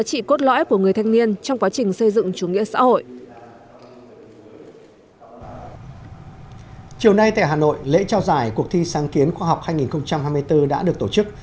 chiều nay tại hà nội lễ trao giải cuộc thi sáng kiến khoa học hai nghìn hai mươi bốn đã được tổ chức